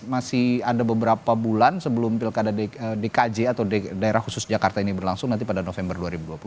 masih ada beberapa bulan sebelum pilkada di kj atau di daerah khusus jakarta ini berlangsung nanti pada november dua ribu dua puluh